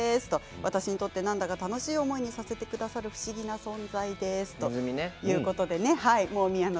私にとって何だか楽しい思いにさせてくださる不思議な存在です。